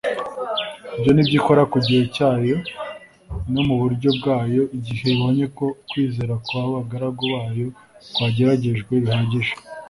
Ibyo ni byo ikora ku gihe cyayo no mu buryo bwayo igihe ibonye ko ukwizera kwabagaragu bayo kwageragejwe bihagije